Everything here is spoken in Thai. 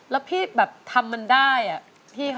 แล้วพี่ทำมันได้